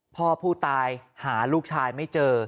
พ่อผู้ตายหาลูกชายไม่เจอ